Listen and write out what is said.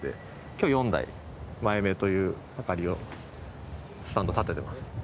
今日は４台前目という明かりをスタンド立ててます。